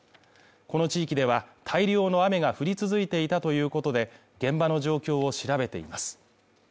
この地域では、大量の雨が降り続いていたということで、現場の状況を調べています。